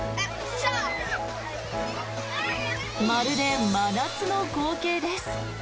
まるで真夏の光景です。